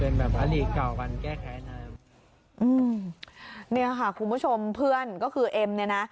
เนี่ยค่ะคุณผู้ชมเพื่อนคือเอ็มเนี่ยนะ